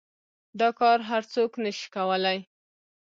دا كار هر سوك نشي كولاى.